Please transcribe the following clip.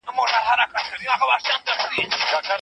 وروسته مې د سید رسول رسا ناولونه ولوستل.